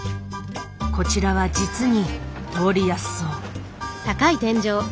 こちらは実に通りやすそう。